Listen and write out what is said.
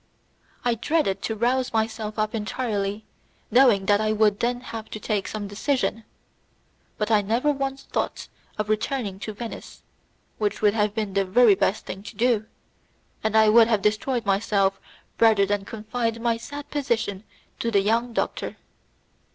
I dreaded to rouse myself up entirely, knowing that I would then have to take some decision; but I never once thought of returning to Venice, which would have been the very best thing to do, and I would have destroyed myself rather than confide my sad position to the young doctor.